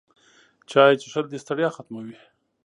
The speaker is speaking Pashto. چای څښل د ستړیا ختموي